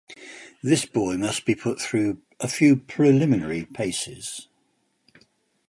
This boy must be put through a few preliminary paces.